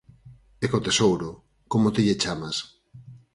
E co tesouro, como ti lle chamas.